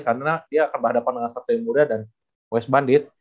karena dia akan berhadapan dengan satoy muda dan west bandit